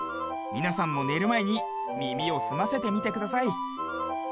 みなさんもねるまえにみみをすませてみてください。